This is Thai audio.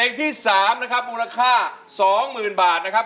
เพลงที่สามนะครับมูลค่าสองหมื่นบาทนะครับ